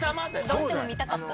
どうしても見たかった？